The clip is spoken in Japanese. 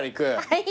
はい。